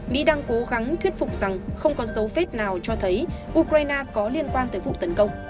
mỹ đang cố gắng thuyết phục rằng không có dấu vết nào cho thấy ukraine có liên quan tới vụ tấn công